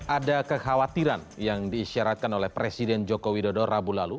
ada kekhawatiran yang diisyaratkan oleh presiden joko widodo rabu lalu